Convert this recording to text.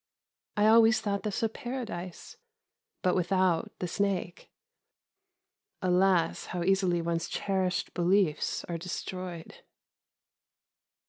I always thought this a paradise, but without the snake. Alas! how easily one's cherished beliefs are destroyed.